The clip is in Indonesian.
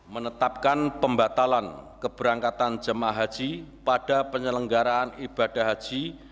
menetapkan pembatalan keberangkatan jemaah haji pada penyelenggaraan ibadah haji